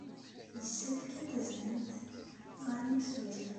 Yessefk ad taznemt ɣer yemsujji.